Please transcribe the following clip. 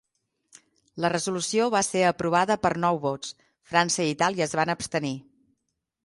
La resolució va ser aprovada per nou vots; França i Itàlia es van abstenir.